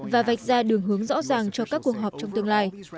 và vạch ra đường hướng rõ ràng cho các cuộc họp trong tương lai